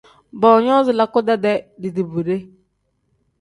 Boonyoozi lakuta-dee dibimbide.